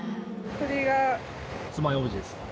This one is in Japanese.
これがつまようじですか？